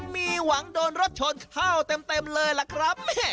มีหวังโดนรถชนเข้าเต็มเลยล่ะครับ